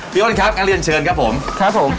พี่โอนครับการเรียนเชิญครับผมครับผม